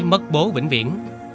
mất bố vĩnh viễn